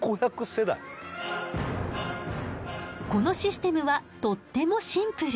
このシステムはとってもシンプル。